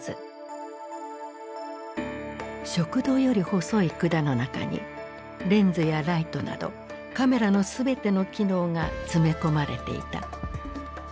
食道より細い管の中にレンズやライトなどカメラの全ての機能が詰め込まれていた。